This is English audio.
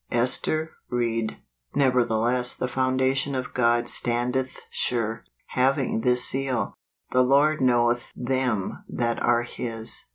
Ester Ried. " Nevertheless the foundation of God standeth sure, having this seal, The Lord knoweth them that are his."